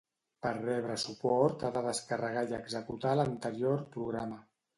Per rebre suport ha de descarregar i executar l'anterior programa.